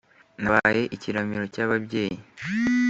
nabaye ikiramiro cy’abahebyi,